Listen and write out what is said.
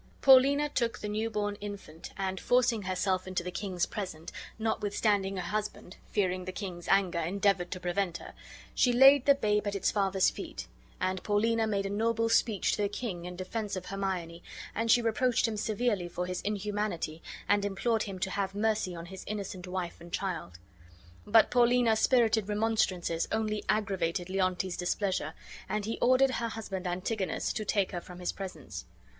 Paulina took the new born infant and, forcing herself into the king's presence, notwithstanding her husband, fearing the king's anger, endeavored to prevent her, she laid the babe at its father's feet; and Paulina made a noble speech to the king in defense of Hermione, and she reproached him severely for his inhumanity and implored him to have mercy on his innocent wife and child. But Paulina's spirited remonstrances only aggravated Leontes's displeasure, and he ordered her husband Antigonus to take her from his presence.